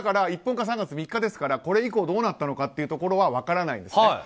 一本化は３月３日ですからこれ以降どうなったのかというところは分からないんですね。